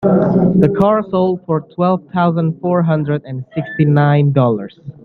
The car sold for twelve thousand four hundred and sixty nine dollars.